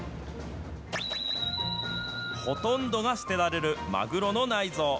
ほとんどが捨てられるマグロの内蔵。